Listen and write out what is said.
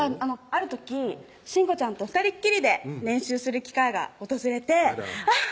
ある時真子ちゃんと二人っきりで練習する機会が訪れてあぁ